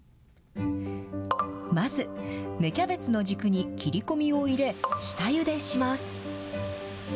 まず、芽キャベツの軸に切り込みを入れ、下ゆでします。